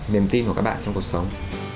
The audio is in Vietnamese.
niềm tin của các bạn trong cuộc sống